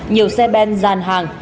nhiều xe ben dàn hàng